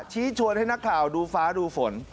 ชวนให้นักข่าวดูฟ้าดูฝน